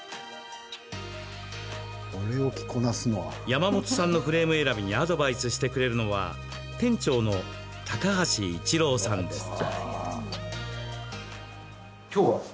山本さんのフレーム選びにアドバイスしてくれるのは店長の高橋一郎さんです。